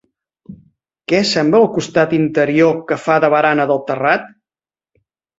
Què sembla el costat interior que fa de barana del terrat?